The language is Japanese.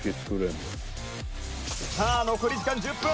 「さあ、残り時間１０分」